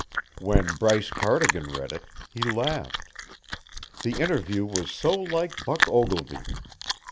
When Bryce Cardigan read it, he laughed. The interview was so like Buck Ogilvy!